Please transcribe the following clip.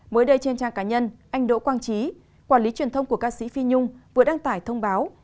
mới đây trên trang cá nhân anh đỗ quang trí quản lý truyền thông của ca sĩ phi nhung vừa đăng tải thông báo